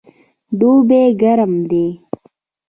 دوبی ګرم دی